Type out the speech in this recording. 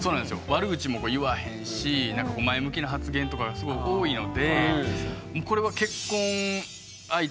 悪口も言わへんしなんか前向きな発言とかがすごい多いのでこれは早い。